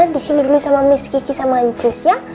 disini dulu sama miss kiki sama jus ya